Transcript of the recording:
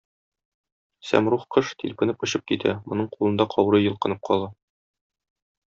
Сәмруг кош тилпенеп очып китә, моның кулында каурый йолкынып кала.